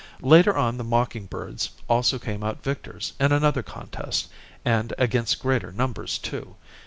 Later on the mocking birds also came out victors in another contest, and against greater numbers, too.